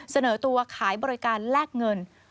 เสนอตัวขายบริการแลกเงิน